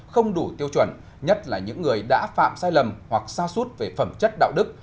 không đủ tiêu chuẩn nhất là những người đã phạm sai lầm hoặc xa suốt về phẩm chất đạo đức